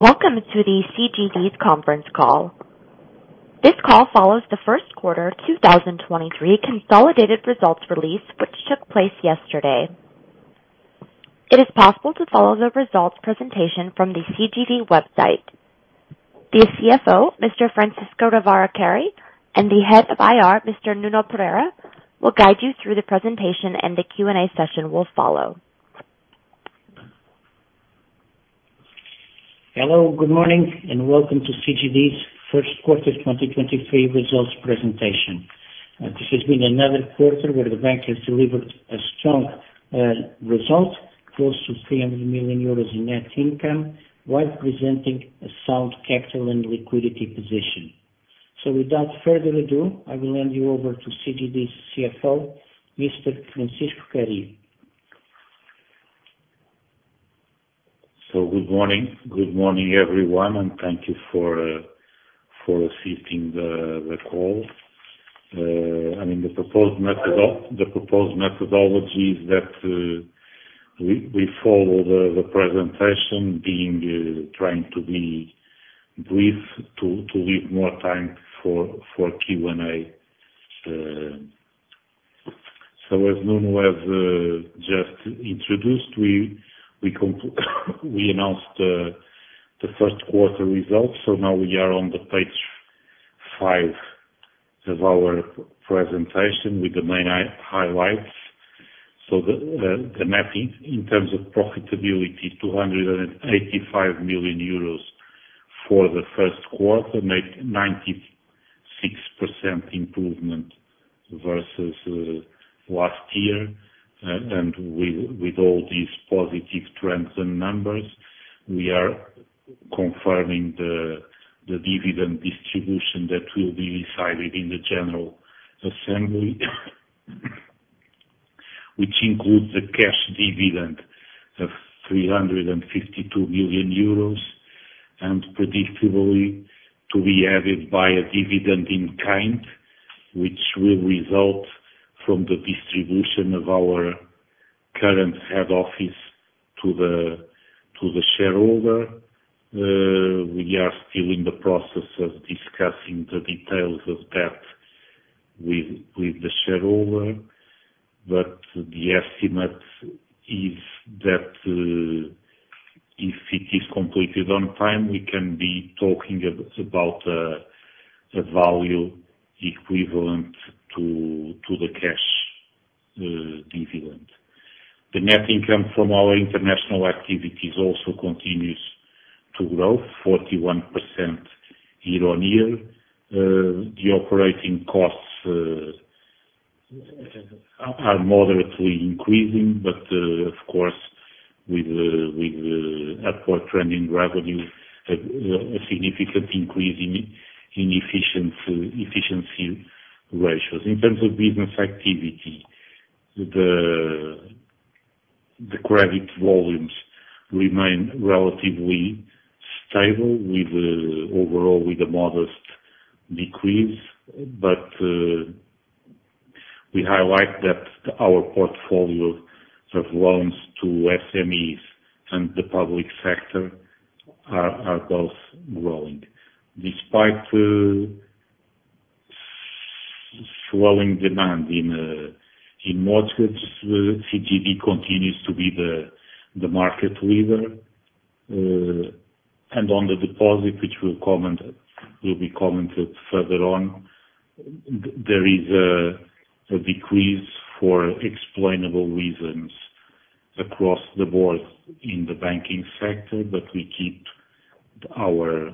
Welcome to the CGD's conference call. This call follows the first quarter 2023 consolidated results release, which took place yesterday. It is possible to follow the results presentation from the CGD website. The CFO, Mr. Francisco Ravara Cary, and the Head of IR, Mr. Nuno Pereira, will guide you through the presentation, and the Q&A session will follow. Hello, good morning, welcome to CGD's first quarter 2023 results presentation. This has been another quarter where the bank has delivered a strong result close to 300 million euros in net income, while presenting a sound capital and liquidity position. Without further ado, I will hand you over to CGD's CFO, Mr. Francisco Cary. Good morning. Good morning everyone, thank you for assisting the call. I mean, the proposed methodology is that we follow the presentation being trying to be brief to leave more time for Q&A. As Nuno has just introduced, we announced the first quarter results. Now we are on page five of our presentation with the main highlights. The net in terms of profitability, 285 million euros for the first quarter, 96% improvement versus last year. With all these positive trends and numbers, we are confirming the dividend distribution that will be decided in the general assembly. Which includes the cash dividend of 352 million euros, and predictably to be added by a dividend in kind, which will result from the distribution of our current head office to the shareholder. We are still in the process of discussing the details of that with the shareholder. The estimate is that, if it is completed on time, we can be talking about a value equivalent to the cash dividend. The net income from our international activities also continues to grow 41% year-on-year. The operating costs are moderately increasing. Of course with the upward trending revenue, a significant increase in efficiency ratios. In terms of business activity, the credit volumes remain relatively stable with a modest decrease. We highlight that our portfolio of loans to SMEs and the public sector are both growing. Despite swelling demand in mortgages, CGD continues to be the market leader. On the deposit which will be commented further on, there is a decrease for explainable reasons across the board in the banking sector. We keep our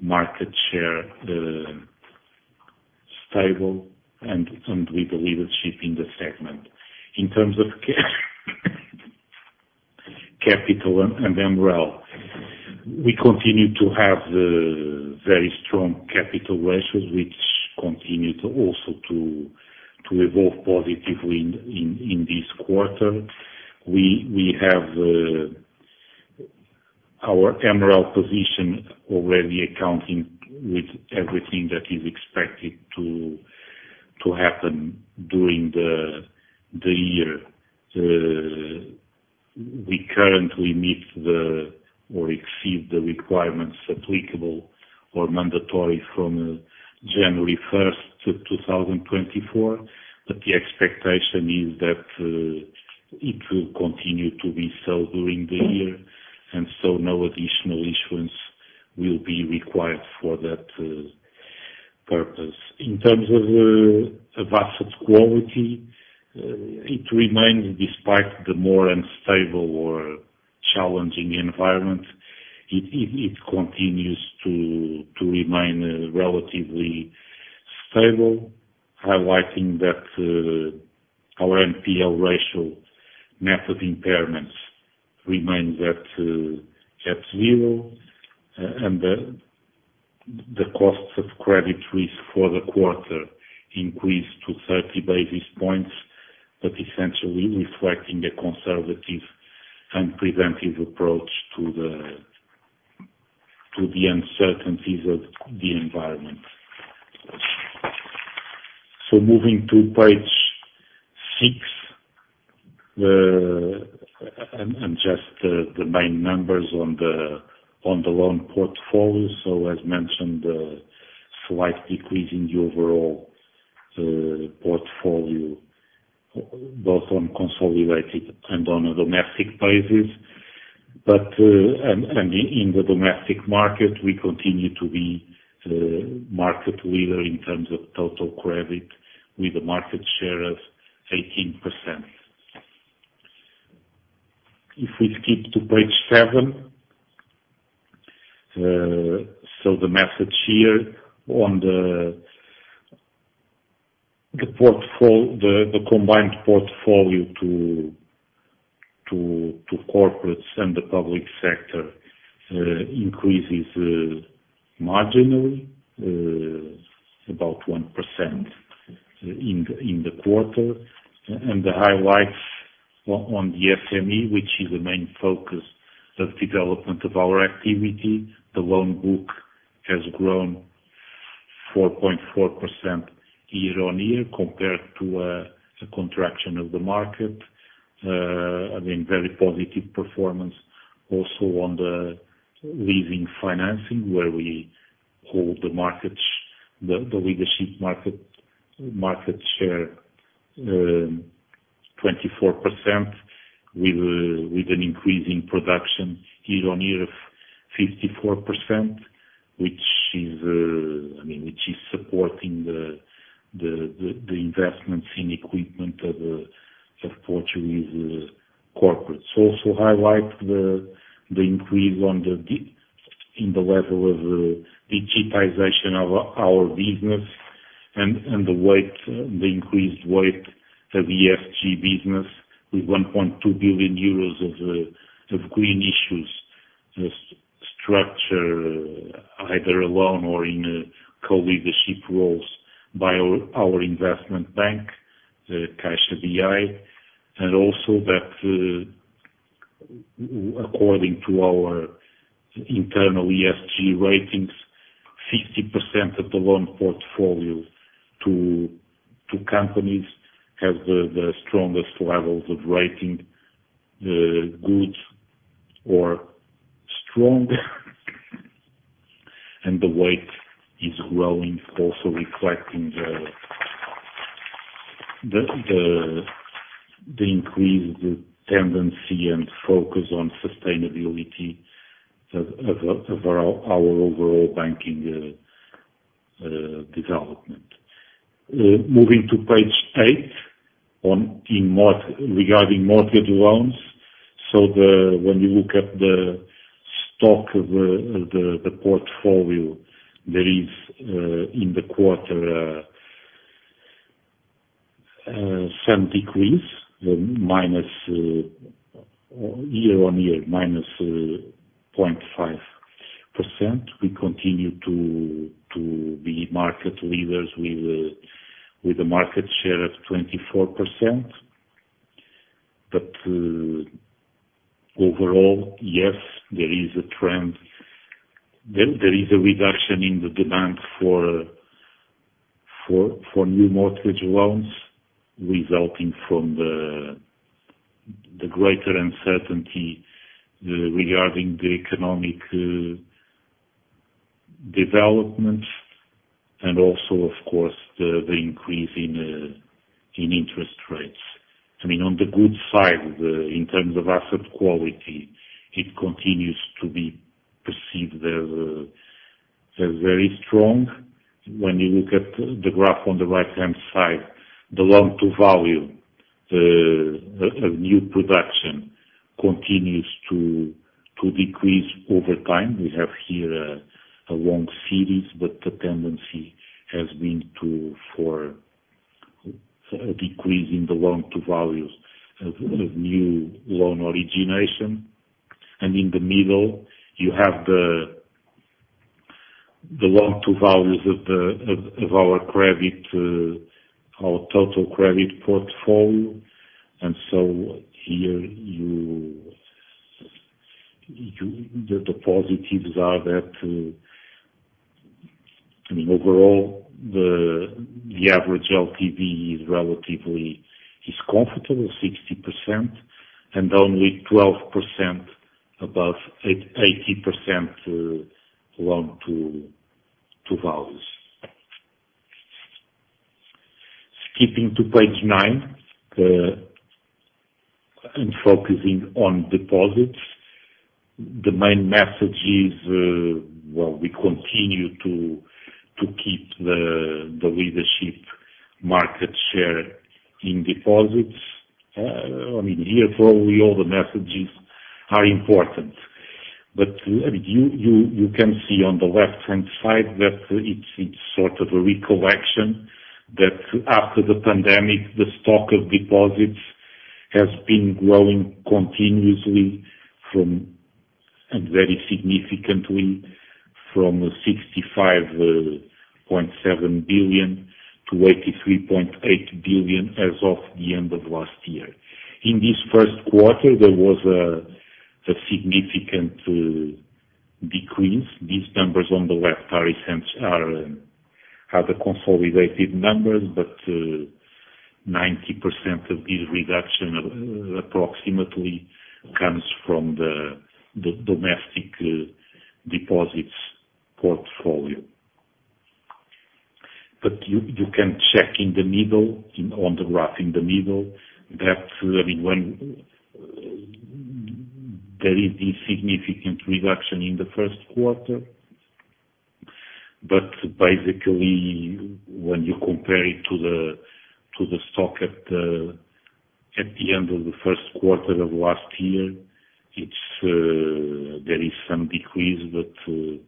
market share stable and we believe it's shaping the segment. In terms of capital and MREL, we continue to have very strong capital ratios which continue also to evolve positively in this quarter. We have our MREL position already accounting with everything that is expected to happen during the year. We currently meet or exceed the requirements applicable or mandatory from January 1st, 2024. The expectation is that it will continue to be so during the year, no additional issuance will be required for that purpose. In terms of asset quality, it remains despite the more unstable or challenging environment, it continues to remain relatively stable. Highlighting that our NPL ratio net of impairments remains at zero. The costs of credit risk for the quarter increased to 30 basis points, essentially reflecting a conservative and preventive approach to the uncertainties of the environment. Moving to page six, and just the main numbers on the loan portfolio. As mentioned, the slight decrease in the overall portfolio, both on consolidated and on a domestic basis. In the domestic market, we continue to be market leader in terms of total credit with a market share of 18%. If we skip to page seven. The message here on the combined portfolio to corporates and the public sector increases marginally about 1% in the quarter. The highlights on the SME, which is the main focus of development of our activity, the loan book has grown 4.4% year-on-year compared to the contraction of the market. I mean, very positive performance also on the leasing financing, where we hold the markets, the leadership market share, 24% with an increase in production year-on-year of 54%, which is, I mean, which is supporting the investments in equipment of Portuguese corporates. Also highlight the increase in the level of digitization of our business and the increased weight of ESG business with 1.2 billion euros of green issues, structure either alone or in co-leadership roles by our investment bank, the Caixa BI. Also that, according to our internal ESG ratings, 50% of the loan portfolio to companies has the strongest levels of rating, good or strong. The weight is growing, also reflecting the increased tendency and focus on sustainability of our overall banking development. Moving to page 8 regarding mortgage loans. When you look at the stock of the portfolio, there is in the quarter some decrease, minus year-on-year, minus 0.5%. We continue to be market leaders with a market share of 24%. Overall, yes, there is a trend, there is a reduction in the demand for new mortgage loans, resulting from the greater uncertainty regarding the economic developments and also, of course, the increase in interest rates. I mean, on the good side, in terms of asset quality, it continues to be perceived as very strong. When you look at the graph on the right-hand side, the loan-to-value of new production continues to decrease over time. We have here a long series, but the tendency has been for a decrease in the loan-to-values of new loan origination. In the middle, you have the loan-to-values of our credit, our total credit portfolio. Here you, the positives are that, I mean, overall the average LTV is relatively comfortable 60% and only 12% above 80% loan-to-values. Skipping to page nine, focusing on deposits. The main message is, well, we continue to keep the leadership market share in deposits. I mean, here probably all the messages are important. You can see on the left-hand side that it's sort of a recollection that after the pandemic, the stock of deposits has been growing continuously from, and very significantly, from 65.7 billion-83.8 billion as of the end of last year. In this first quarter, there was a significant Decrease these numbers on the left are the consolidated numbers, but 90% of this reduction approximately comes from the domestic deposits portfolio. You can check in the middle, on the graph in the middle that when there is a significant reduction in the first quarter. Basically when you compare it to the stock at the end of the first quarter of last year, it's there is some decrease that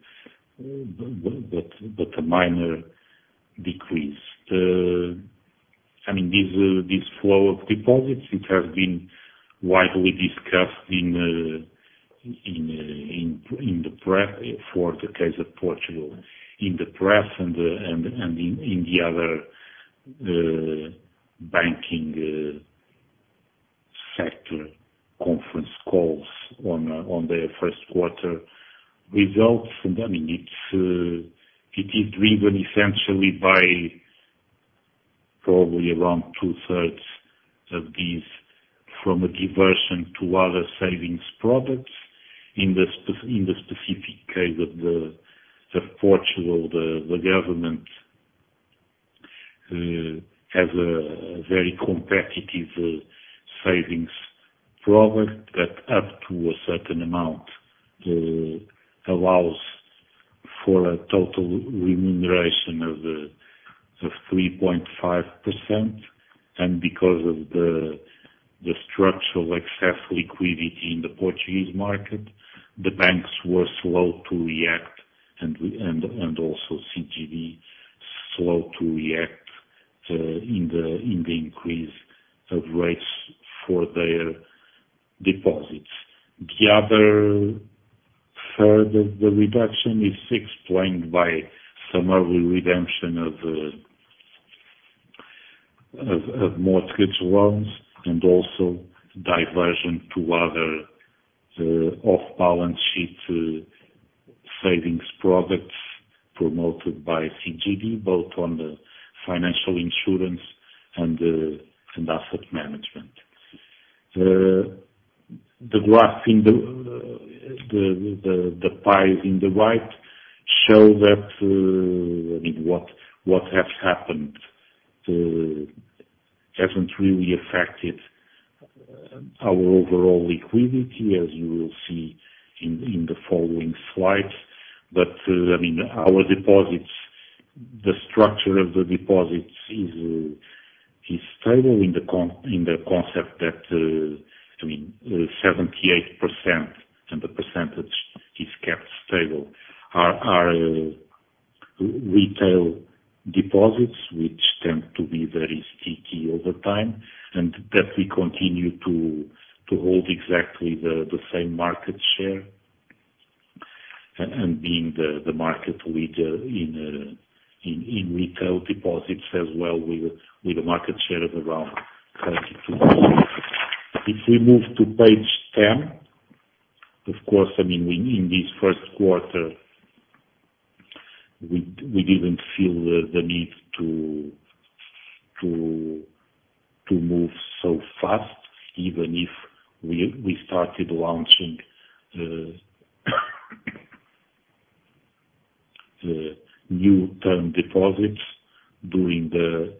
a minor decrease. I mean, this flow of deposits, it has been widely discussed in the press for the case of Portugal. In the press and in the other banking sector conference calls on their first quarter results. I mean, it's driven essentially by probably around two-thirds of these from a diversion to other savings products. In the specific case of Portugal, the government has a very competitive savings product that up to a certain amount allows for a total remuneration of 3.5%. Because of the structural excess liquidity in the Portuguese market, the banks were slow to react, and also CGD slow to react in the increase of rates for their deposits. The other third of the reduction is explained by some early redemption of mortgage loans and also diversion to other off-balance sheet savings products promoted by CGD, both on the financial insurance and asset management. The graph in the pie in the right show that, I mean, what has happened hasn't really affected our overall liquidity, as you will see in the following slides. Our deposits, the structure of the deposits is stable in the concept that 78% and the percentage is kept stable are retail deposits, which tend to be very sticky over time and that we continue to hold exactly the same market share. Being the market leader in retail deposits as well with a market share of around 32%. If we move to page 10. Of course, in this first quarter, we didn't feel the need to move so fast, even if we started launching the new term deposits during the...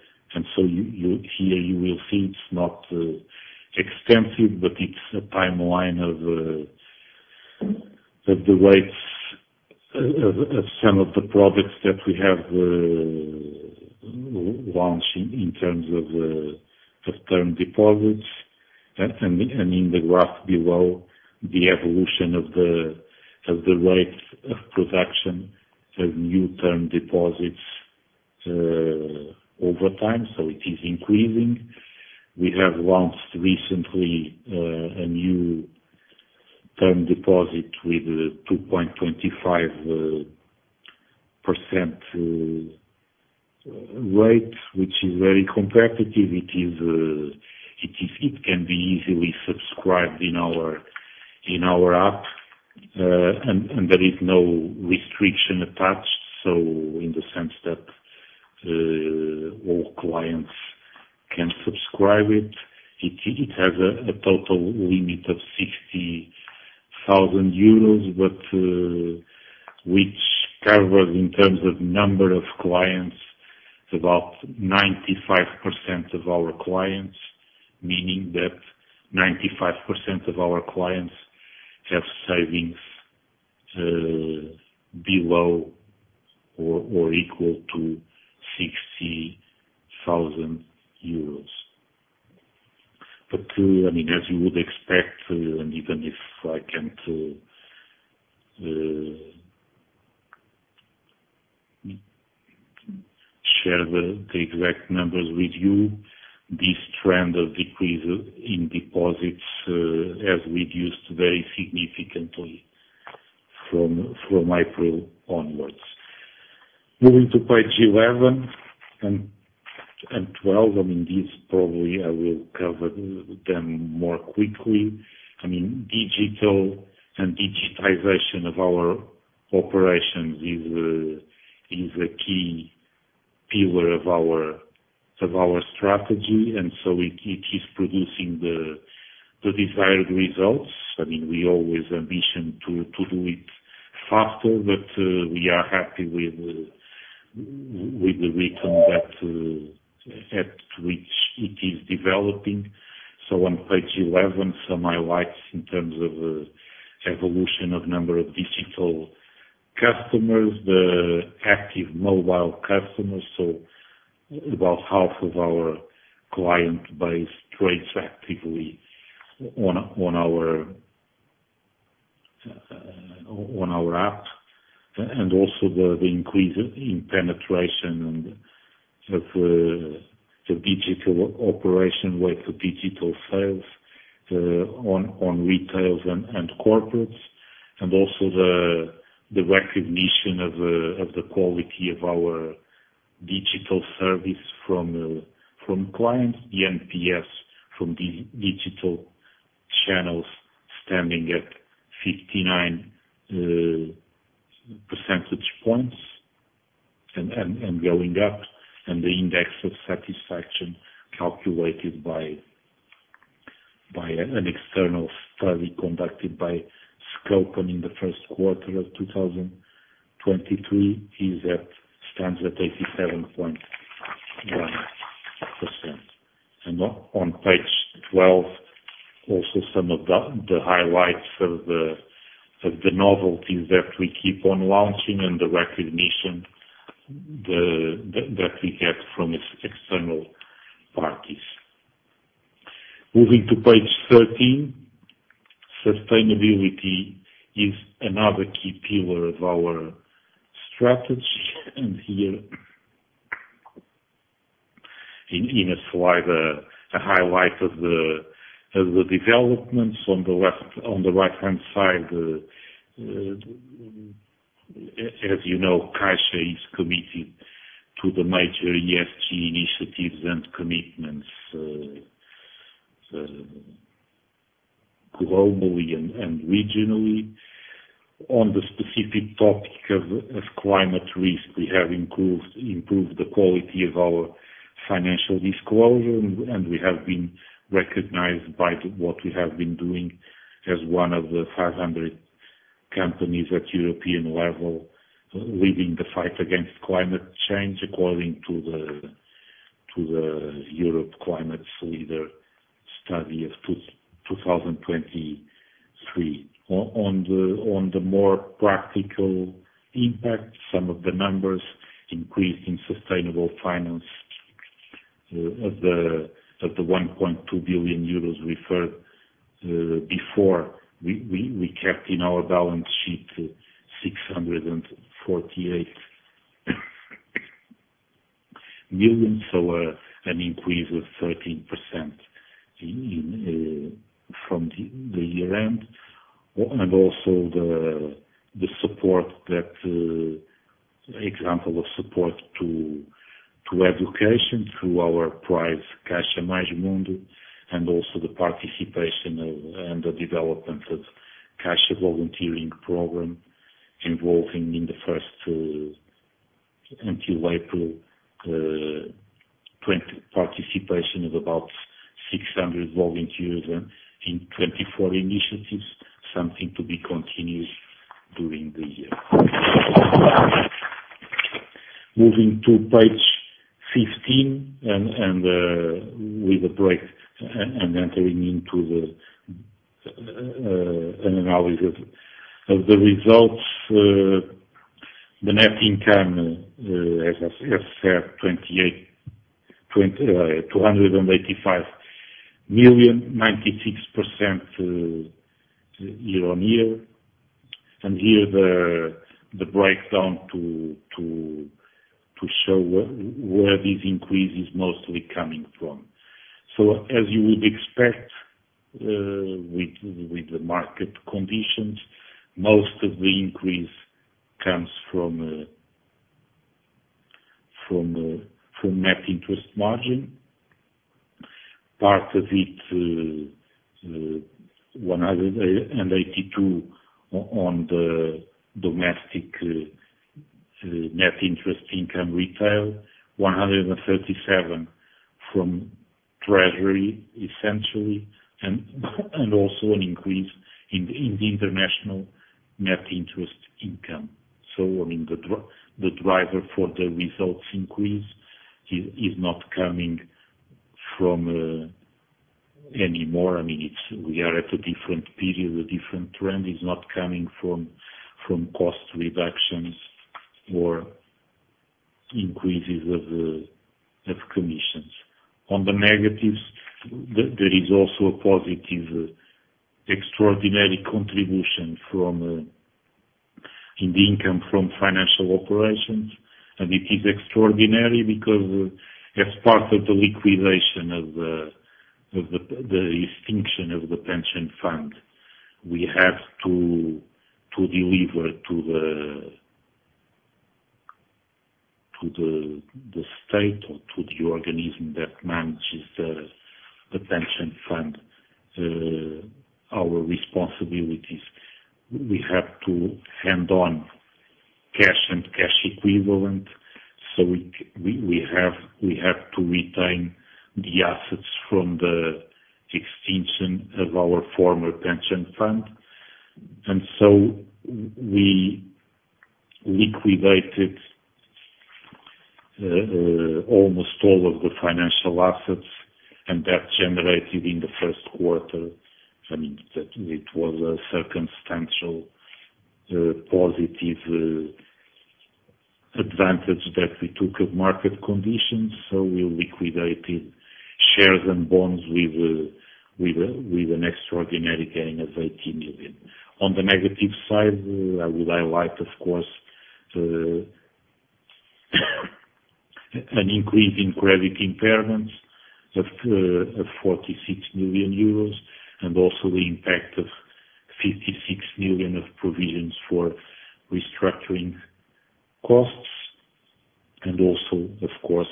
You here you will see it's not extensive, but it's a timeline of the rates of some of the products that we have launched in terms of term deposits. In the graph below, the evolution of the rates of production of new term deposits over time, so it is increasing. We have launched recently a new term deposit with 2.25% rate, which is very competitive. It is it can be easily subscribed in our, in our app. There is no restriction attached. In the sense that all clients can subscribe it. It has a total limit of 60,000 euros, which covers in terms of number of clients, about 95% of our clients, meaning that 95% of our clients have savings below or equal to EUR 60,000. I mean, as you would expect, and even if I can share the exact numbers with you, this trend of decrease in deposits has reduced very significantly from April onwards. Moving to page 11 and 12. I mean, these probably I will cover them more quickly. I mean, digital and digitization of our operations is a key pillar of our strategy, it is producing the desired results. I mean, we always ambition to do it faster, we are happy with the rhythm that at which it is developing. On page 11, some highlights in terms of evolution of number of digital customers, the active mobile customers. About half of our client base trades actively on our app, and also the increase in penetration and of the digital operation with the digital sales on retails and corporates, and also the recognition of the quality of our digital service from clients, the NPS from digital channels standing at 59 percentage points and going up, and the index of satisfaction calculated by an external study conducted by Scope in the first quarter of 2023 is at, stands at 87.1%. On page 12, also some of the highlights of the novelties that we keep on launching and the recognition that we get from external parties. Moving to page 13. Sustainability is another key pillar of our strategy. Here in a slide, a highlight of the developments on the right-hand side, as you know, Caixa is committed to the major ESG initiatives and commitments globally and regionally. On the specific topic of climate risk, we have improved the quality of our financial disclosure, and we have been recognized by what we have been doing as one of the 500 companies at European level leading the fight against climate change, according to the Europe Climate Leader study of 2023. On the more practical impact, some of the numbers increase in sustainable finance, of the 1.2 billion euros referred before. We kept in our balance sheet, 648 million, so, an increase of 13% in from the year-end. Also the support that example of support to education through our prize, Caixa Mais Mundo, and also the participation of, and the development of Caixa volunteering program, involving in the first until April, participation of about 600 volunteers in 24 initiatives, something to be continued during the year. Moving to page 15 and with a break and entering into an analysis of the results. The net income, as I have said, 285 million, 96% year-on-year. Here the breakdown to show where this increase is mostly coming from. As you would expect, with the market conditions, most of the increase comes from Net Interest Margin. Part of it, 182 on the domestic Net Interest Income retail, 137 from treasury, essentially, and also an increase in the international Net Interest Income. I mean, the driver for the results increase is not coming from anymore. I mean, we are at a different period, a different trend. It's not coming from cost reductions or increases of commissions. On the negatives, there is also a positive extraordinary contribution from in the income from financial operations. It is extraordinary because as part of the liquidation of the extinction of the pension fund. We have to deliver to the state or to the organism that manages the pension fund our responsibilities. We have to hand on cash and cash equivalent. We have to retain the assets from the extension of our former pension fund. We liquidated almost all of the financial assets and that generated in the first quarter. I mean that it was a circumstantial positive advantage that we took of market conditions. We liquidated shares and bonds with an extraordinary gain of 80 million. On the negative side, would highlight of course, an increase in credit impairments of 46 million euros, and also the impact of 56 million of provisions for restructuring costs. Of course,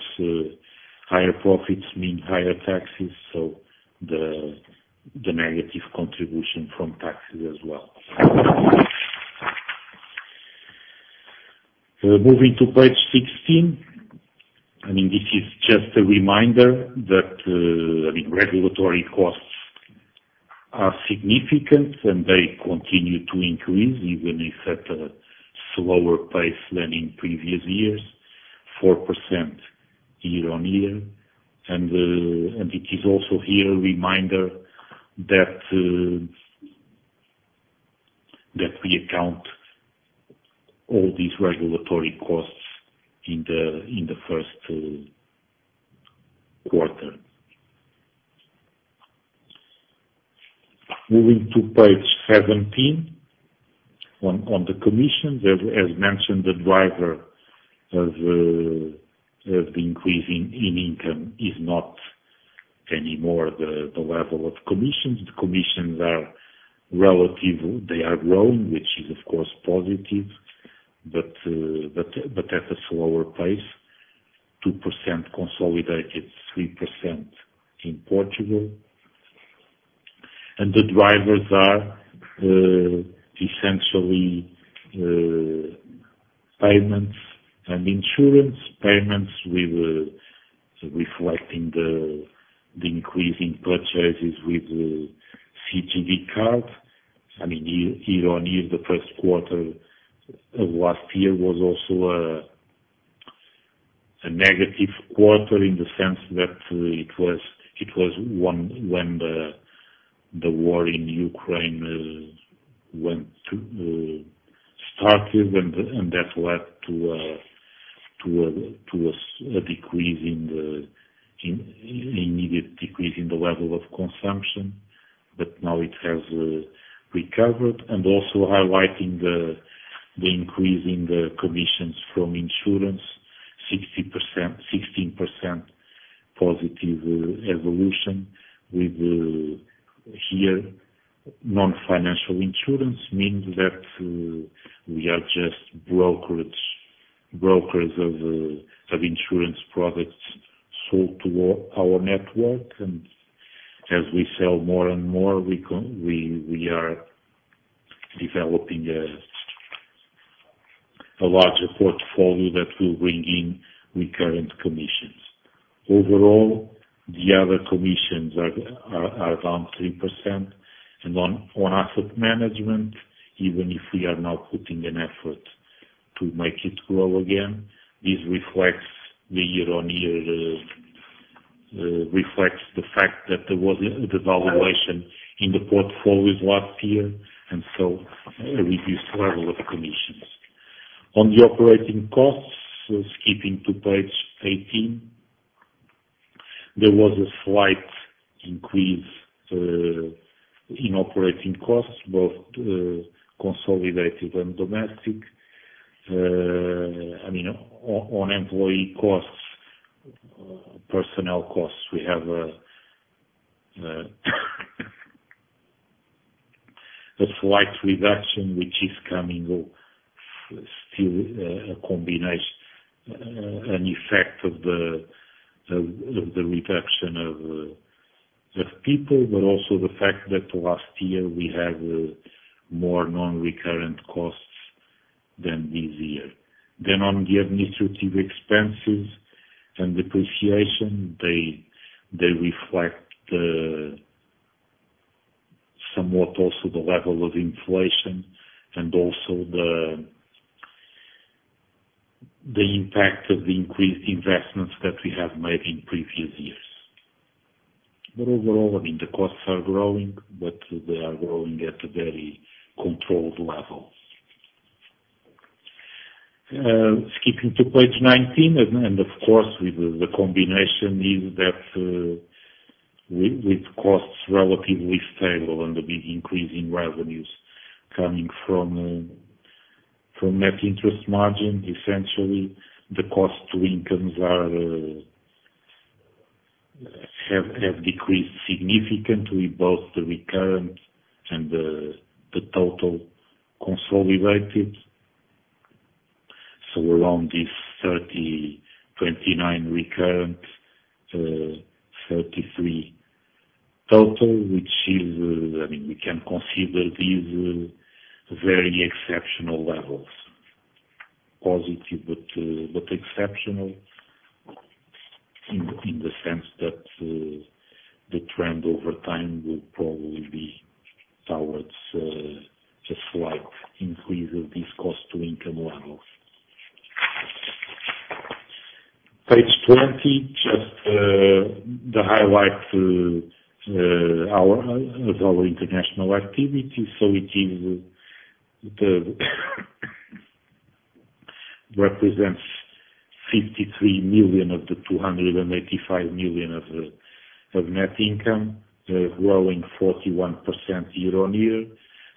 higher profits mean higher taxes. The negative contribution from taxes as well. Moving to page 16. This is just a reminder that regulatory costs are significant, and they continue to increase, even if at a slower pace than in previous years, 4% year-on-year. It is also here a reminder that we account all these regulatory costs in the first quarter. Moving to page 17. On the commission as mentioned, the driver of increasing in income is not anymore the level of commissions. The commissions are relative. They are growing, which is of course positive, but at a slower pace, 2% consolidated, 3% in Portugal. The drivers are essentially payments and insurance payments. We were reflecting the increase in purchases with CGD card. I mean, year on year, the first quarter of last year was also a negative quarter in the sense that it was when the war in Ukraine went to started and that led to a decrease in immediate decrease in the level of consumption. Now it has recovered. Also highlighting the increase in the commissions from insurance 16% positive evolution with here non-financial insurance means that we are just brokers of insurance products sold to our network. As we sell more and more, we are developing a larger portfolio that will bring in recurrent commissions. Overall, the other commissions are down 3%. On asset management, even if we are now putting an effort to make it grow again, this reflects the year-on-year reflects the fact that there was a devaluation in the portfolio last year, and so a reduced level of commissions. On the operating costs, skipping to page 18. There was a slight increase in operating costs, both consolidated and domestic. I mean, on employee costs, personnel costs, we have a slight reduction, which is coming still, a combination, an effect of the reduction of the people, but also the fact that last year we had more non-recurrent costs than this year. On the administrative expenses and depreciation, they reflect somewhat also the level of inflation and also the impact of the increased investments that we have made in previous years. Overall, I mean, the costs are growing, but they are growing at a very controlled level. Skipping to page 19. Of course, with the combination is that, with costs relatively stable and the big increase in revenues coming from Net Interest Margin, essentially the cost to incomes have decreased significantly, both the recurrent and the total consolidated. Around this 30%, 29% recurrent, 33% total, which is, I mean, we can consider these very exceptional levels. Positive but exceptional in the sense that the trend over time will probably be towards just slight increase of this cost-to-income levels. Page 20. Just the highlight of our international activity. It is the represents 53 million of the 285 million of net income. Growing 41% year-on-year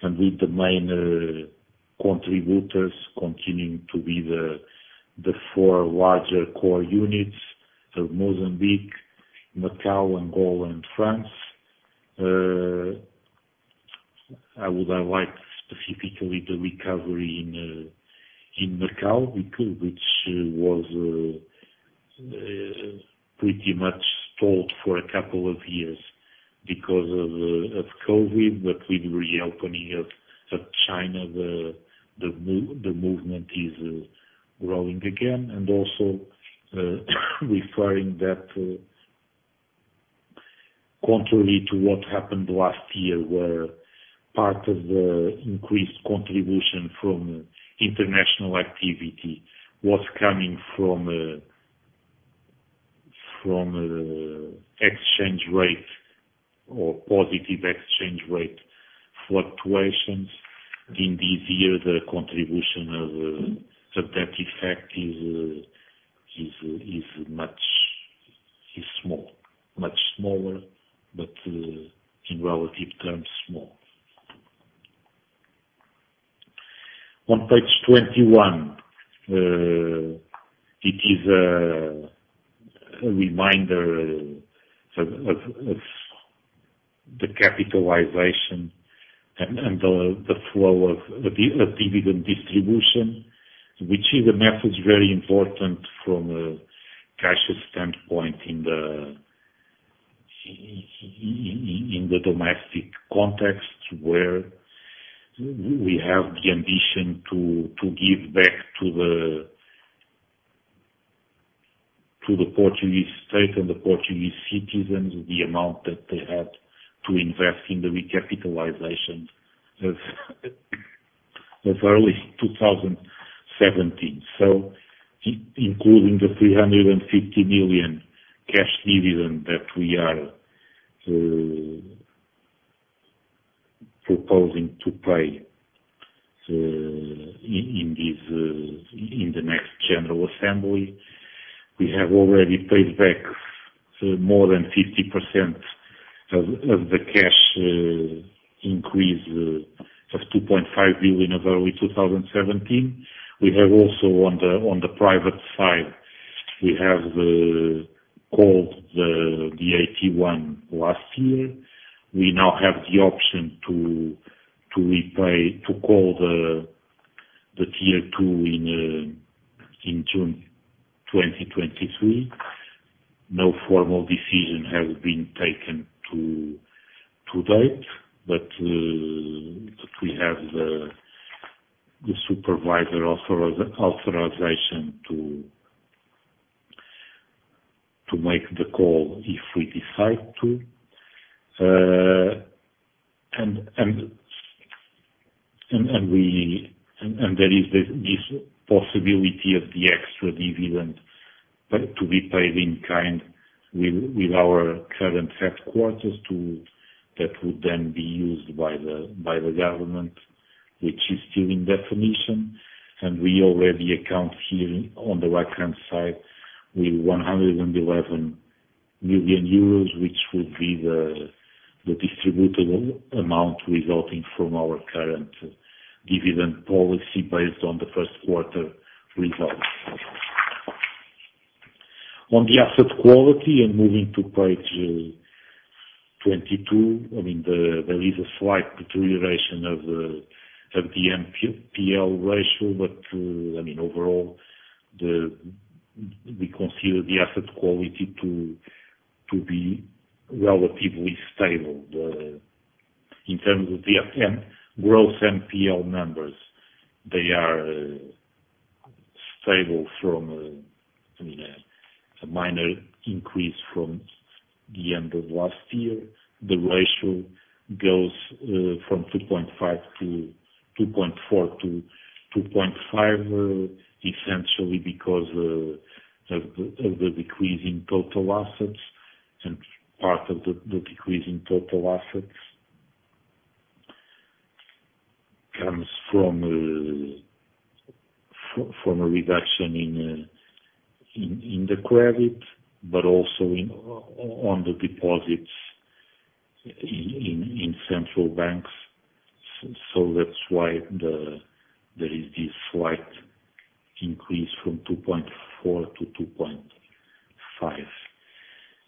and with the minor contributors continuing to be the four larger core units of Mozambique, Macau, Angola and France. I would highlight specifically the recovery in Macau which was pretty much stalled for two years because of COVID, with the reopening of China the movement is growing again. Also, referring that, contrary to what happened last year where part of the increased contribution from international activity was coming from exchange rate or positive exchange rate fluctuations. In this year, the contribution of that effect is much, is small. Much smaller but, in relative terms, small. On page 21, it is a reminder of the capitalization and the flow of dividend distribution. Which is a matter that's very important from a cash flow standpoint in the domestic context, where we have the ambition to give back to the Portuguese State and the Portuguese citizens the amount that they had to invest in the recapitalization of early 2017. Including the 350 million cash dividend that we are proposing to pay in this in the next general assembly. We have already paid back more than 50% of the cash increase of 2.5 billion of early 2017. We have also on the, on the private side, we have called the AT1 last year. We now have the option to call the Tier two in June 2023. No formal decision has been taken to date, but we have the supervisor authorization to make the call if we decide to. There is this possibility of the extra dividend right, to be paid in kind with our current headquarters that would then be used by the government which is still in definition. We already account here on the right-hand side with 111 million euros, which would be the distributable amount resulting from our current dividend policy based on the first quarter results. On the asset quality and moving to page 22, I mean, there is a slight deterioration of the NPL ratio. I mean, overall we consider the asset quality to be relatively stable. In terms of the FM, gross NPL numbers, they are stable from, I mean, a minor increase from the end of last year. The ratio goes from 2.5-2.4-2.5, essentially because of the decrease in total assets. Part of the decrease in total assets comes from a reduction in the credit, but also in deposits in central banks. That's why there is this slight increase from 2.4-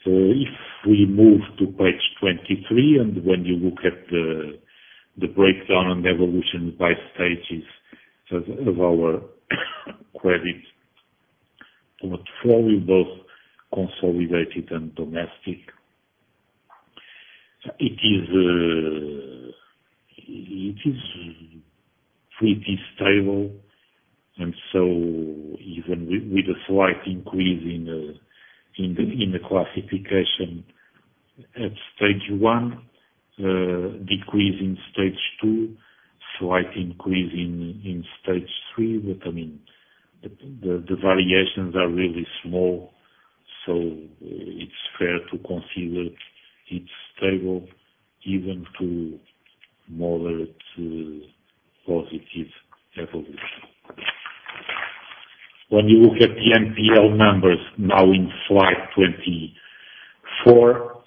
2.5. If we move to page 23, when you look at the breakdown and evolution by stages of our credit to what flow we both consolidated and domestic. It is pretty stable. Even with a slight increase in the classification at Stage one, decrease in Stage two, slight increase in Stage three. I mean, the variations are really small, so it's fair to consider it's stable even to moderate to positive evolution. When you look at the NPL numbers now in slide 24, on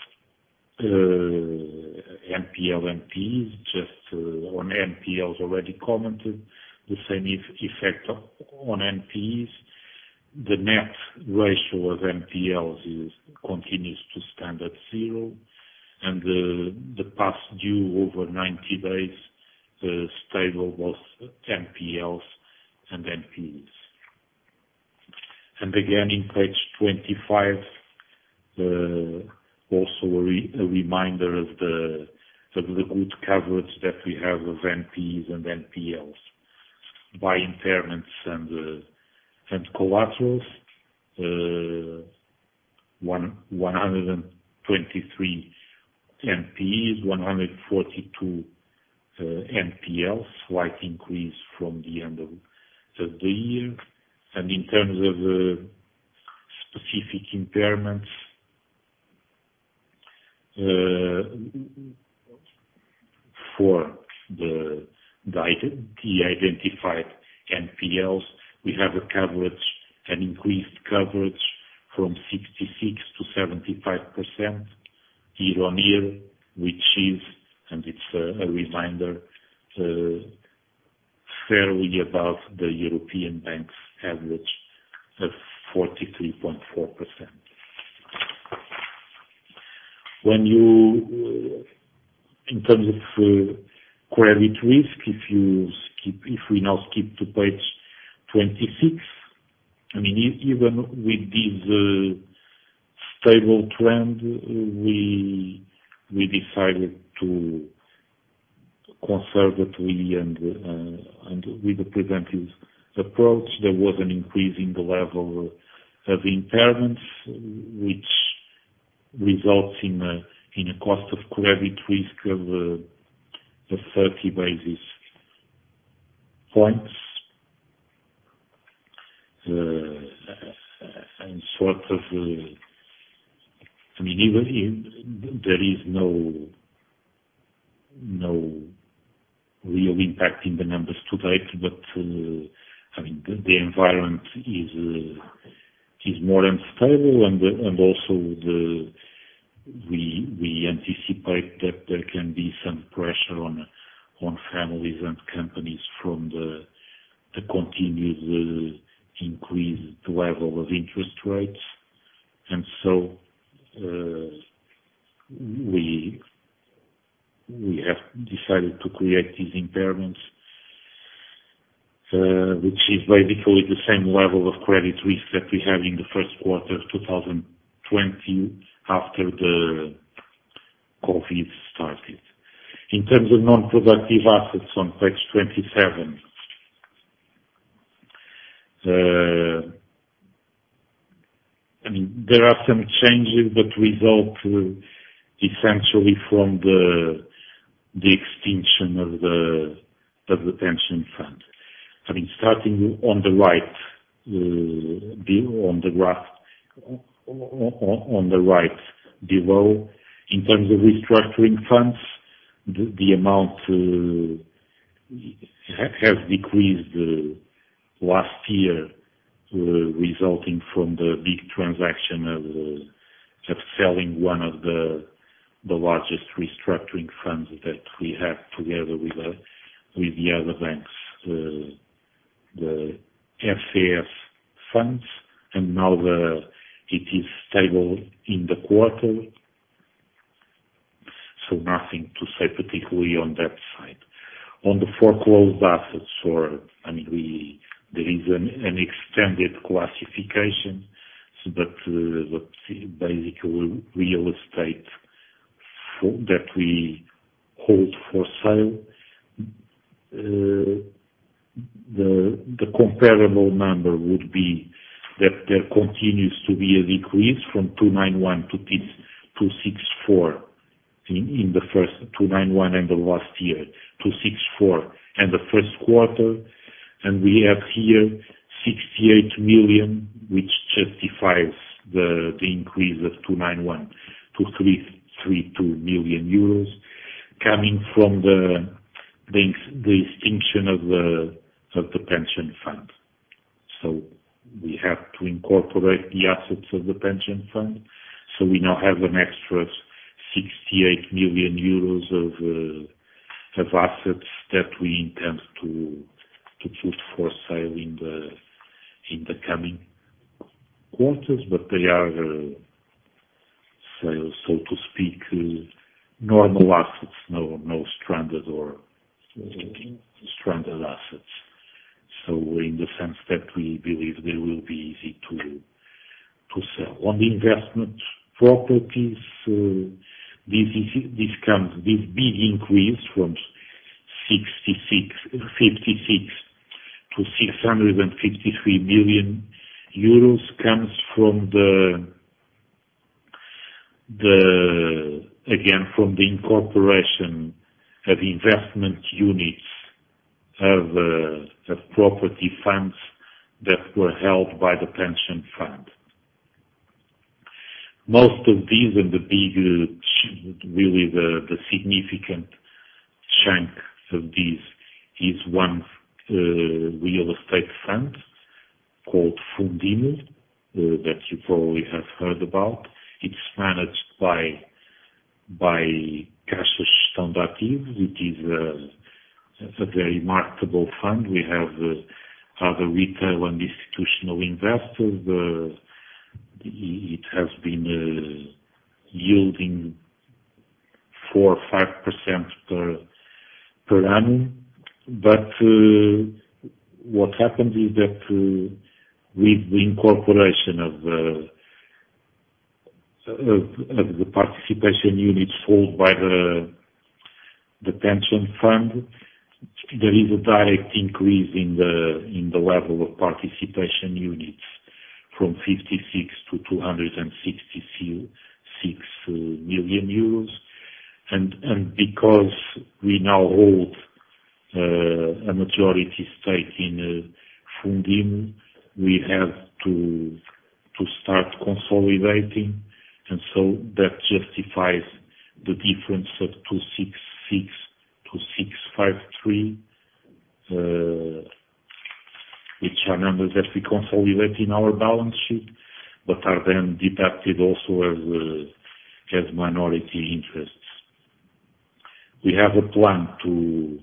NPL is already commented, the same effect on NPEs. The net ratio of NPLs is continues to stand at zero. The past due over 90 days, stable, both NPLs and NPEs. Again, in page 25, also a reminder of the good coverage that we have with NPEs and NPLs by impairments and collaterals. 123 NPE, 142 NPL, slight increase from the end of the year. In terms of specific impairments, for the guided, the identified NPLs, we have a coverage, an increased coverage from 66%-75% year on year, which is, and it's a reminder, fairly above the European banks average of 43.4%. In terms of credit risk, if we now skip to page 26. I mean, even with this stable trend, we decided to conservatively and with the preventive approach, there was an increase in the level of impairments, which results in a cost of credit risk of 30 basis points. I mean, even there is no real impact in the numbers to date. I mean, the environment is more unstable. We anticipate that there can be some pressure on families and companies from the continued increase, the level of interest rates. We have decided to create these impairments, which is basically the same level of credit risk that we had in the first quarter of 2020 after the COVID started. In terms of non-productive assets on page 27. I mean, there are some changes that result essentially from the extinction of the pension fund. I mean, starting on the right, bill, on the graph, on the right below. In terms of restructuring funds, the amount has decreased last year, resulting from the big transaction of selling one of the largest restructuring funds that we have together with the other banks, the FAS funds. It is stable in the quarter, so nothing to say particularly on that side. On the foreclosed assets or, I mean, there is an extended classification. Basically real estate that we hold for sale. The comparable number would be that there continues to be a decrease from 291 to this 264 in the first 291 and the last year to 264. The first quarter, we have here 68 million EUR, which justifies the increase of 291 million-332 million euros coming from the extinction of the pension fund. We have to incorporate the assets of the pension fund. We now have an extra 68 million euros of assets that we intend to put for sale in the coming quarters. They are, so to speak, normal assets, no stranded or stranded assets. In the sense that we believe they will be easy to sell. On investment properties, this big increase from 56 million-653 million euros comes from again, from the incorporation of investment units of property funds that were held by the pension fund. Most of these and really the significant chunk of this is one real estate fund called Fundimo that you probably have heard about. It's managed by Caixa de Estabilização which is a very marketable fund. We have other retail and institutional investors. It has been yielding 4% or 5% per annum. What happened is that, with the incorporation of the participation units sold by the pension fund, there is a direct increase in the level of participation units from 56 million-266 million euros. Because we now hold a majority stake in Fundimo, we have to start consolidating. That justifies the difference of 266-653, which are numbers that we consolidate in our balance sheet, but are then deducted also as minority interests. We have a plan to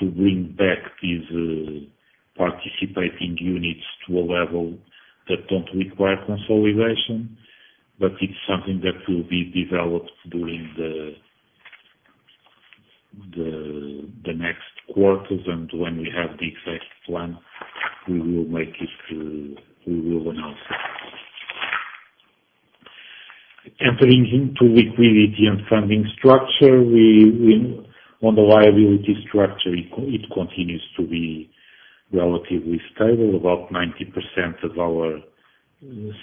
bring back these participating units to a level that don't require consolidation. It's something that will be developed during the next quarters, and when we have the exact plan, we will make it, we will announce it. Entering into liquidity and funding structure, we on the liability structure, it continues to be relatively stable. About 90% of our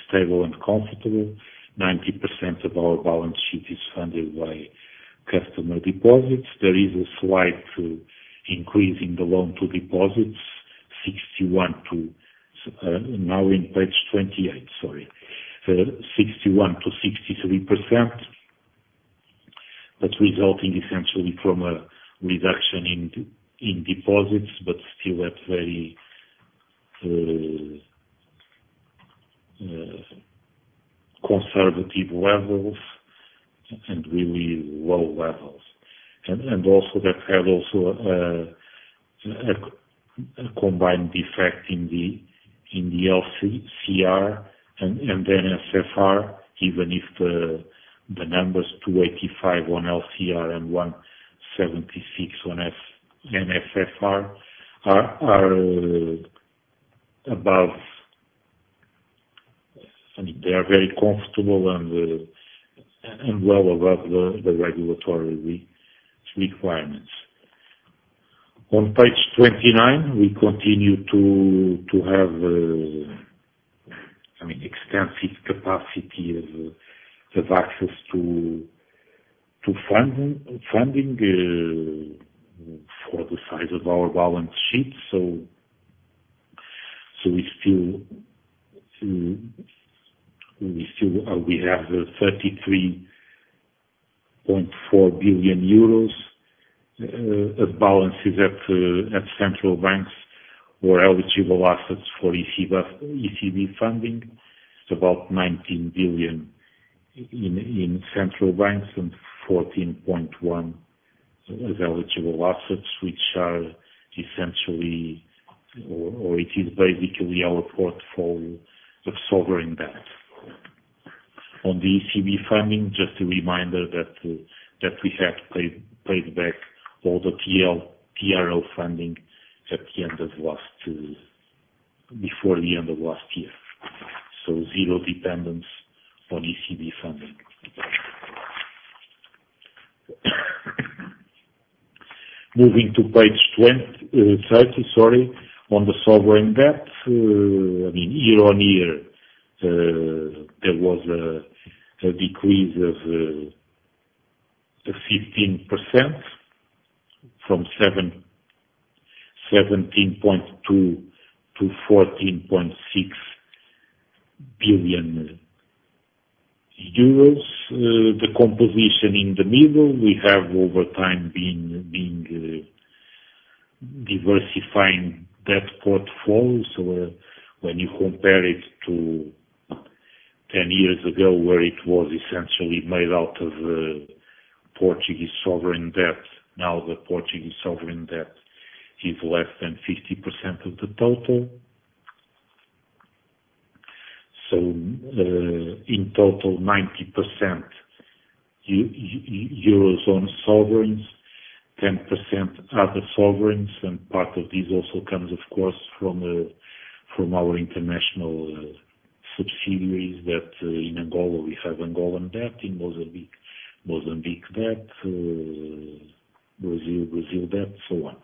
stable and comfortable. 90% of our balance sheet is funded by customer deposits. There is a slight increase in the loan to deposits, 61% to now in page 28, sorry. 61%-63%. That's resulting essentially from a reduction in deposits, but still at very conservative levels and really low levels. Also that had also a combined effect in the LCR and NSFR even if the numbers 285 on LCR and 176 on NSFR are above... I mean, they are very comfortable and well above the regulatory requirements. On page 29, we continue to have, I mean, extensive capacity of access to funding for the size of our balance sheet. We still have 33.4 billion euros of balances at central banks or eligible assets for ECB funding. It's about 19 billion in central banks and 14.1 eligible assets, which are essentially or it is basically our portfolio of sovereign debt. On the ECB funding, just a reminder that we have paid back all the TLTRO funding before the end of last year. Zero dependence on ECB funding. Moving to page 30, sorry. On the sovereign debt, year-on-year, there was a decrease of 15% from 17.2 billion to 14.6 billion euros. The composition in the middle, we have over time been diversifying that portfolio. When you compare it to 10 years ago, where it was essentially made out of Portuguese sovereign debt, now the Portuguese sovereign debt is less than 50% of the total. In total, 90% Eurozone sovereigns, 10% other sovereigns. Part of this also comes, of course, from our international subsidiaries that in Angola, we have Angolan debt, in Mozambique debt, Brazil debt, so on.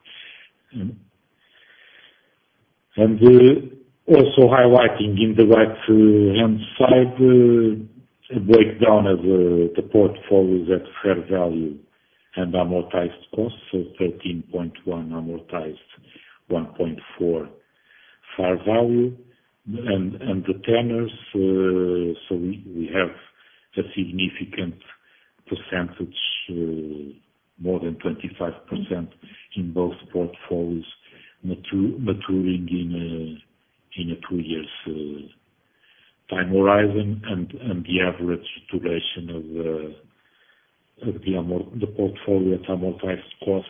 Also highlighting in the right-hand side, a breakdown of the portfolios at fair value and amortized costs. 13.1 amortized, 1.4 fair value. The tenors, so we have a significant percentage, more than 25% in both portfolios maturing in a two-years time horizon. The average duration of the portfolio at amortized costs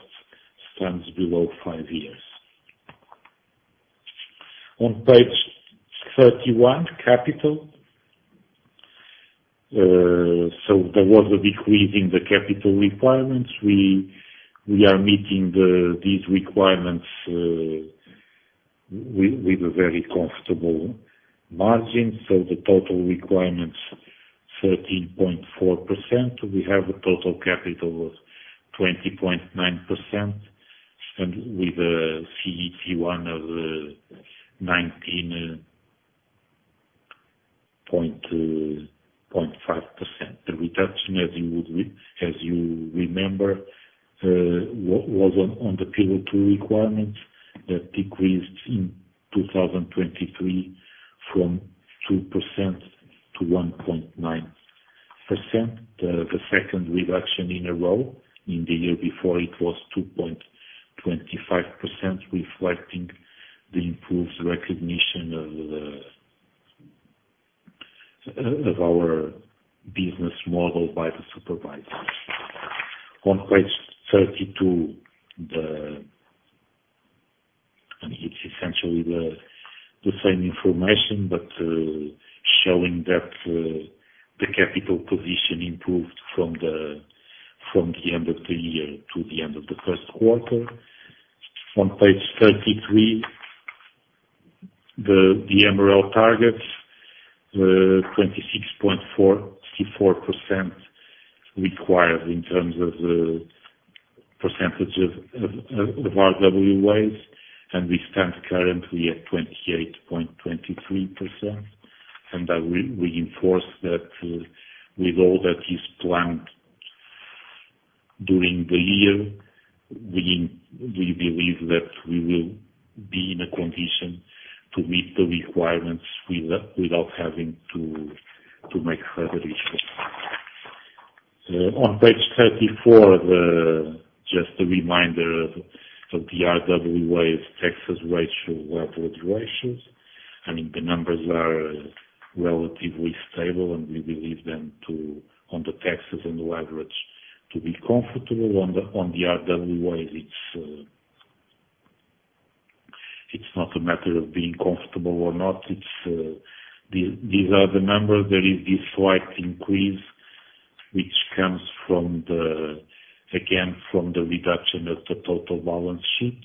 stands below five years. On page 31, capital. There was a decrease in the capital requirements. We are meeting these requirements with a very comfortable margin. The total requirements 13.4%. We have a total capital of 20.9%. With CET1 of 19.5%. The reduction as you would remember was on the Pillar two requirements that decreased in 2023 from 2%-1.9%. The second reduction in a row. In the year before, it was 2.25%, reflecting the improved recognition of our business model by the supervisors. On page 32, it's essentially the same information, but showing that the capital position improved from the end of the year to the end of the first quarter. On page 33, the MREL targets, 26.44% required in terms of percentage of RWA. We stand currently at 28.23%. We enforce that with all that is planned during the year. We believe that we will be in a condition to meet the requirements without having to make further issues. On page 34, just a reminder of the RWAs, taxes ratio, level two ratios. I mean, the numbers are relatively stable, and we believe them to, on the taxes and the leverage to be comfortable. On the RWAs it's not a matter of being comfortable or not. It's these are the numbers. There is this slight increase which comes from the again from the reduction of the total balance sheet.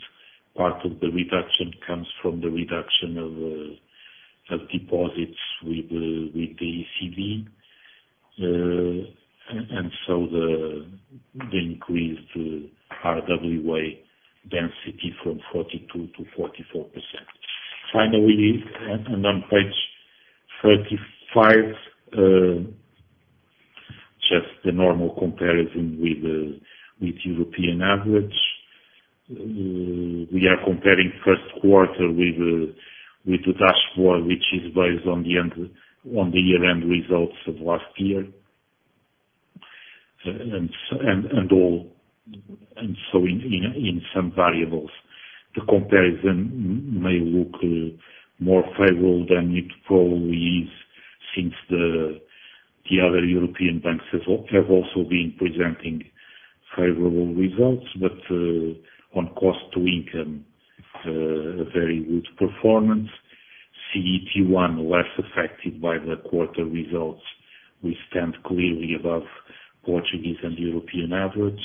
Part of the reduction comes from the reduction of deposits with the ECB. The increase to RWA density from 42%-44%. Finally, on page 35, just the normal comparison with European average. We are comparing first quarter with the dashboard, which is based on the end, on the year-end results of last year. In some variables the comparison may look more favorable than it probably is, since the other European banks have also been presenting favorable results. On cost-to-income, a very good performance. CET1, less affected by the quarter results, we stand clearly above Portuguese and European average.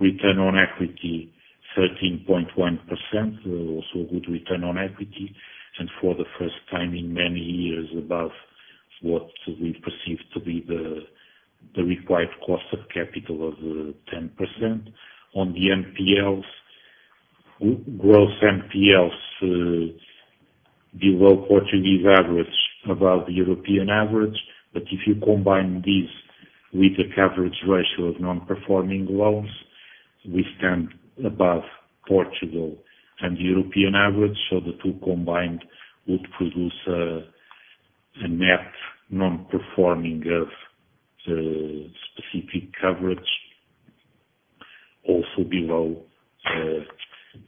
Return on equity, 13.1%. Also a good return on equity. For the first time in many years, above what we perceive to be the required cost of capital of 10%. On the NPLs, gross NPLs, below Portuguese average, above the European average. If you combine these with the coverage ratio of non-performing loans, we stand above Portugal and European average. The two combined would produce a net non-performing of specific coverage also below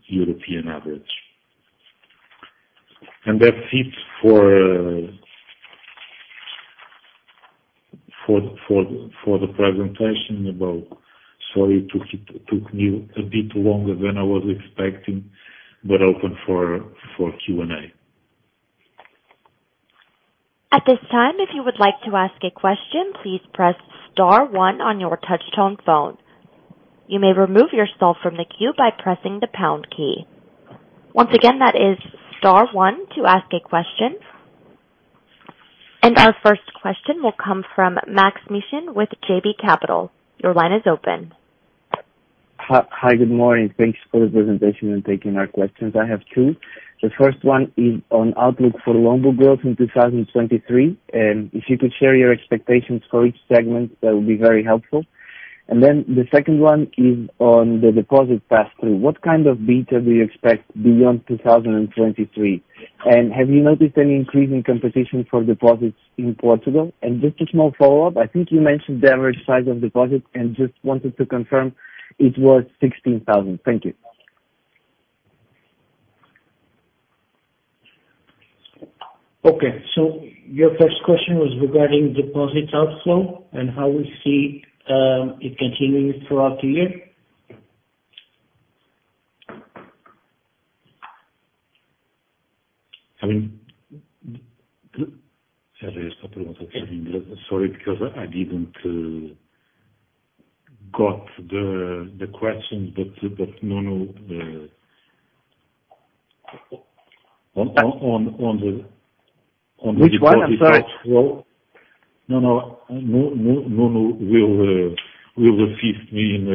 European average. That's it for the presentation about. Sorry, it took me a bit longer than I was expecting, but open for Q&A. At this time, if you would like to ask a question, please press star one on your touch tone phone. You may remove yourself from the queue by pressing the pound key. Once again, that is star one to ask a question. Our first question will come from Maks Mishyn with JB Capital. Your line is open. Hi. Good morning. Thanks for the presentation and taking our questions. I have two. The first one is on outlook for loan book growth in 2023. If you could share your expectations for each segment, that would be very helpful. The second one is on the deposit pass-through. What kind of beta do you expect beyond 2023? Have you noticed any increase in competition for deposits in Portugal? Just a small follow-up. I think you mentioned the average size of deposit and just wanted to confirm it was 16,000. Thank you. Your first question was regarding deposit outflow and how we see it continuing throughout the year. I mean. Sorry, because I didn't got the question, but Nuno, on the Which one? I'm sorry. No, no. Nuno will assist me in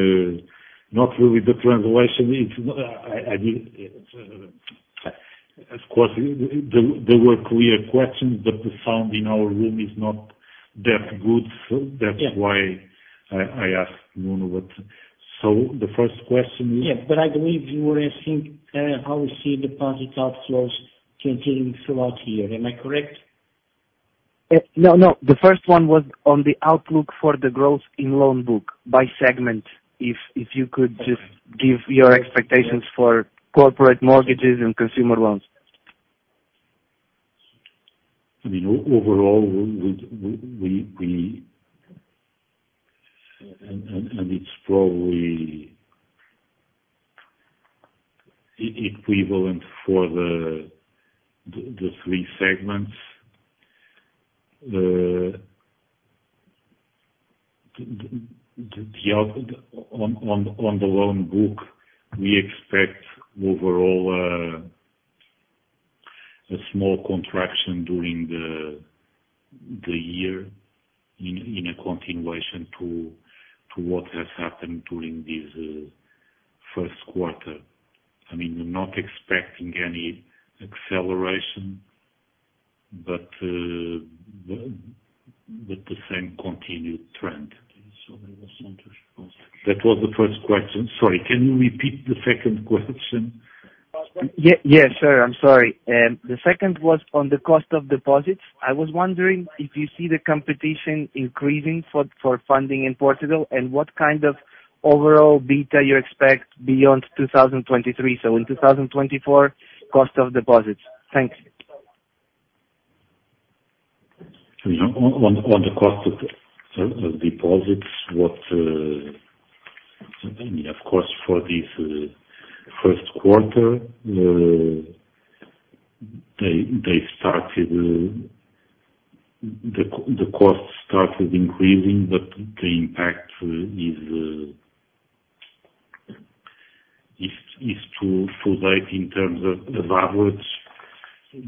not really the translation. It's, I mean, of course, they were clear questions, but the sound in our room is not that good. That's why I asked Nuno what. The first question is. Yeah, I believe you were asking how we see deposit outflows continuing throughout the year. Am I correct? No. The first one was on the outlook for the growth in loan book by segment. If you could just give your expectations for corporate mortgages and consumer loans. I mean, overall, we and it's probably equivalent for the three segments. The out, on the loan book, we expect overall a small contraction during the year in a continuation to what has happened during this first quarter. I mean, we're not expecting any acceleration, but the same continued trend. That was the first question. Sorry, can you repeat the second question? Yeah, yeah, sure. I'm sorry. The second was on the cost of deposits. I was wondering if you see the competition increasing for funding in Portugal and what kind of overall beta you expect beyond 2023. In 2024, cost of deposits. Thanks. On the cost of deposits, what, I mean, of course, for this first quarter, they started. The cost started increasing, but the impact is to date in terms of average,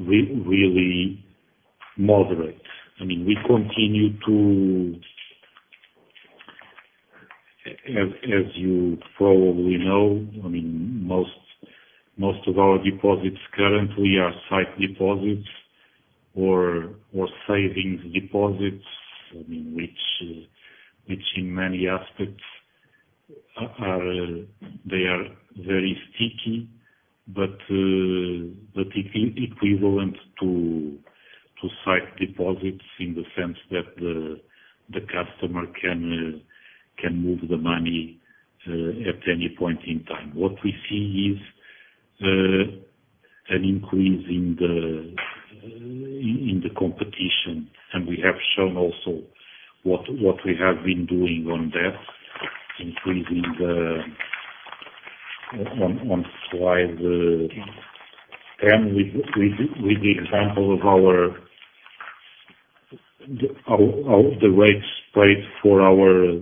really moderate. I mean, we continue to. As you probably know, I mean, most of our deposits currently are site deposits or savings deposits, I mean, which in many aspects are, they are very sticky, but equivalent to site deposits in the sense that the customer can move the money at any point in time. What we see is an increase in the competition. We have shown also what we have been doing on that, increasing on slide 10 with the example of our rates paid for our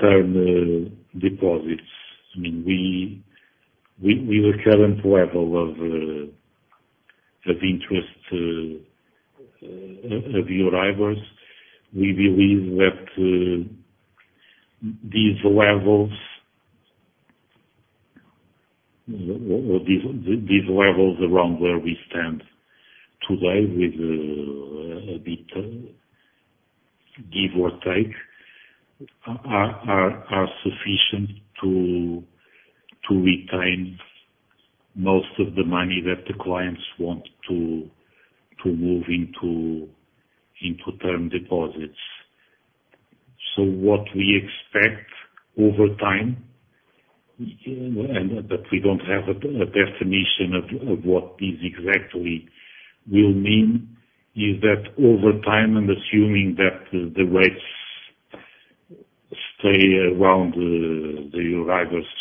term deposits. I mean, we were current level of interest of Euribor. We believe that these levels around where we stand today with a bit, give or take, are sufficient to retain most of the money that the clients want to move into term deposits. What we expect over time, and that we don't have a definition of what this exactly will mean, is that over time, and assuming that the rates stay around 3,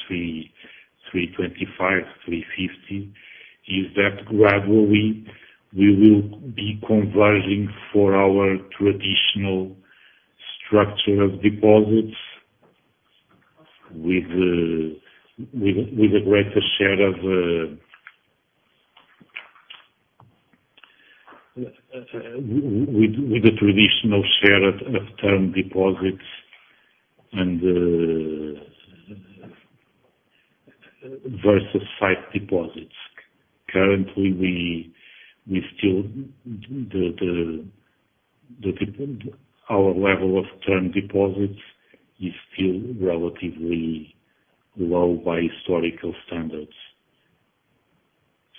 3.25, 3.50, is that gradually we will be converging for our traditional structure of deposits with a greater share of the traditional share of term deposits and versus sight deposits. Currently, we still our level of term deposits is still relatively low by historical standards.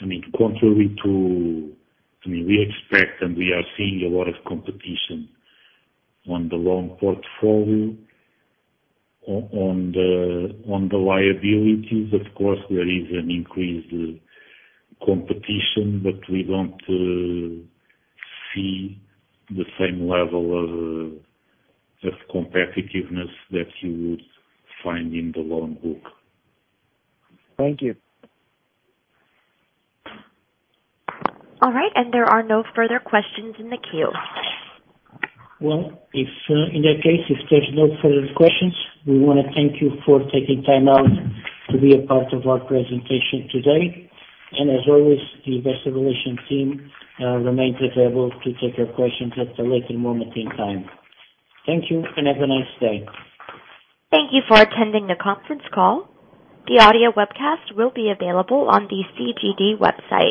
I mean, contrary to... We expect and we are seeing a lot of competition on the loan portfolio. On the liabilities, of course, there is an increased competition, but we don't see the same level of competitiveness that you would find in the loan book. Thank you. All right. There are no further questions in the queue. If, in that case, if there's no further questions, we wanna thank you for taking time out to be a part of our presentation today. As always, the investor relations team remains available to take your questions at a later moment in time. Thank you and have a nice day. Thank you for attending the conference call. The audio webcast will be available on the CGD website.